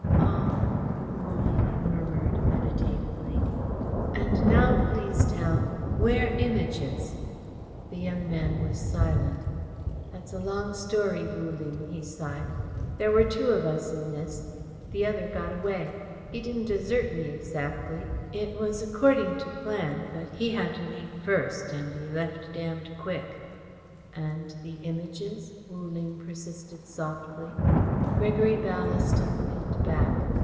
"Ah!" Wu Ling murmured meditatively. "And now please tell, where Images?" The young man was silent. "That's a long story, Wu Ling," he sighed. "There were two of us in this. The other got away. He didn't desert me exactly. It was according to plan, but he had to leave first, and he left damned quick." "And the Images?" Wu Ling persisted softly. Gregory Ballaston leaned back.